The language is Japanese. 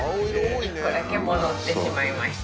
１個だけ戻ってしまいました。